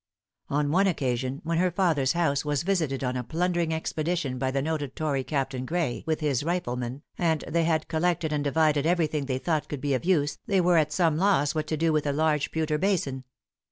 On one occasion, when her father's house was visited on a plundering expedition by the noted tory Captain Gray with his riflemen, and they had collected and divided every thing they thought could be of use, they were at some loss what to do with a large pewter basin.